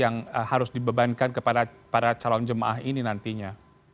yang harus dibebankan kepada para calon jemaah ini nantinya